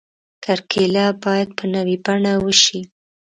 کرکیله باید په نوې بڼه وشي.